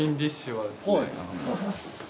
はい。